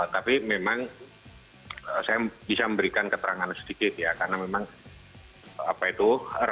tapi memang saya bisa memberikan keterangan sedikit ya karena memang apa itu